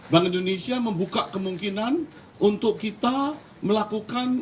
bank indonesia membuka kemungkinan untuk kita melakukan